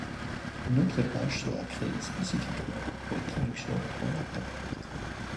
Une autre page sera créée spécifiquement pour les traductions en latin.